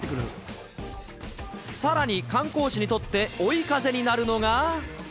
さらに、観光地にとって追い風になるのが。